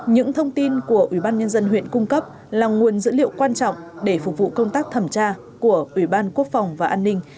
những thông tin của ủy ban nhân dân huyện cung cấp là nguồn dữ liệu quan trọng để phục vụ công tác thẩm tra của ủy ban quốc phòng và an ninh